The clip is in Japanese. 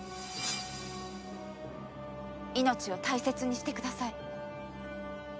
命を大切にしてください。